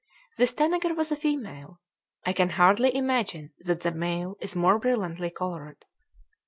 This tanager was a female; I can hardly imagine that the male is more brilliantly colored.